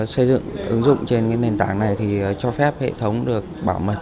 xây dựng ứng dụng trên nền tảng này thì cho phép hệ thống được bảo mật